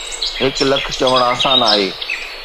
هڪ لک چوڻ آسان آهي.